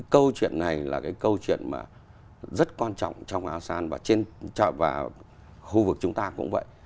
câu chuyện này là câu chuyện rất quan trọng trong asean và khu vực chúng ta cũng vậy